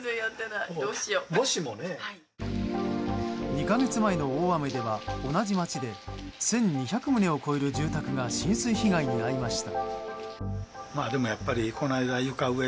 ２か月前の大雨では同じ街で１２００棟を超える住宅が浸水被害に遭いました。